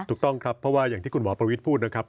ถูกต้องครับเพราะว่าอย่างที่คุณหมอประวิทย์พูดนะครับ